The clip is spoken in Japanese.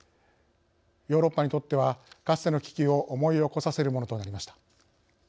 ヨーロッパにとってはかつての危機を思い起こさせるものとなりました。